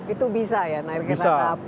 itu bisa ya naik kereta api